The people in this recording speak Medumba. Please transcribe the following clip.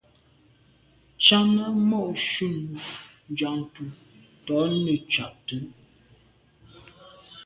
Tshana mo’ nshun Njantùn to’ netshabt’é.